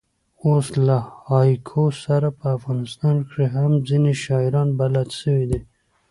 اوس له هایکو سره په افغانستان کښي هم ځیني شاعران بلد سوي دي.